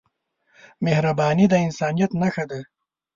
مهرباني د انسانیت نښه ده.